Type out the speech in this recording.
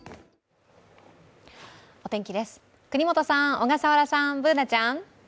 お天気です、國本さん、小笠原さん、Ｂｏｏｎａちゃん。